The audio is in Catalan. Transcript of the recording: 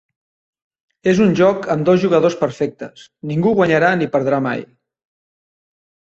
En un joc amb dos jugadors perfectes, ningú guanyarà ni perdrà mai.